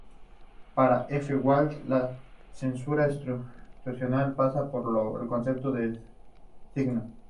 Para F. Wahl, la cesura estructuralista pasa por el concepto de signo.